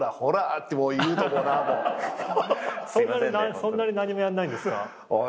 そんなに何もやんないんですか？